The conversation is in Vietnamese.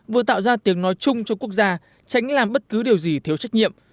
vừa tạo ra tiếng nói chung cho quốc gia tránh làm bất cứ điều gì thiếu trách nhiệm